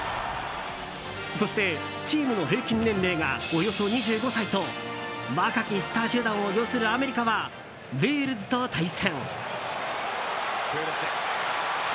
そして、チームの平均年齢がおよそ２５歳と若きスター集団を擁するアメリカは、ウェールズと対戦。